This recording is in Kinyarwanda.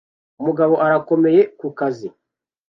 Umugabo arakomeye kukazi